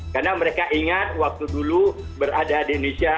karena mereka ingat waktu dulu berada di indonesia